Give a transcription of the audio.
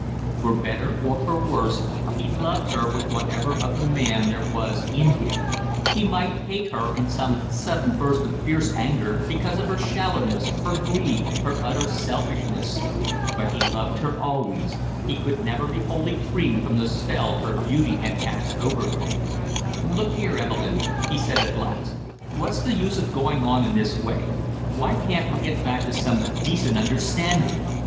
For better or for worse he loved her with whatever of the man there was in him; he might hate her in some sudden burst of fierce anger because of her shallowness, her greed, her utter selfishness; but he loved her always, he could never be wholly free from the spell her beauty had cast over him. [Illustration: Why, what's the matter, Marsh?] "Look here, Evelyn," he said at last. "What's the use of going on in this way, why can't we get back to some decent understanding?"